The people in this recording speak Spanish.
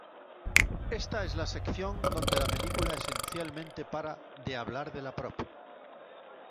Esta es la sección donde la película esencialmente para de hablar de la Prop.